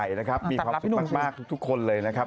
ต้องได้ความสุขมากทุกคนเลยนะครับ